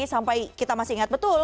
sampai kita masih ingat betul